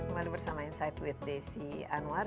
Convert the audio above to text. kembali bersama insight with desi anwar